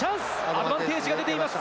アドバンテージが出ています。